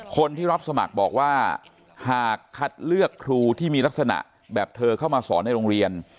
คนที่รับสมัครบอกว่าหากคัดเลือกครูที่มีลักษณะแบบเธอเข้ามาสอนในโรงเรียน